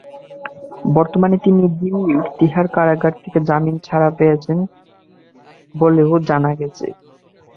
বর্তমানে তিনি দিল্লির তিহার কারাগার থেকে জামিনে ছাড়া পেয়েছেন বলেও জানা গেছে।